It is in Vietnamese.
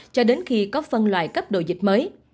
cho đến khi có phân loại cấp đồ dịch mới